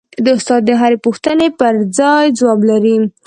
استاد د هرې پوښتنې پرځای ځواب لري.